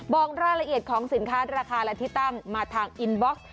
บอกรายละเอียดของสินค้าราคาและที่ตั้งมาทางอินบ็อกซ์